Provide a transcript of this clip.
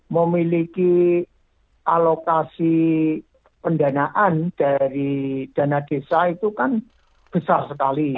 memiliki alokasi pendanaan dari dana desa itu kan besar sekali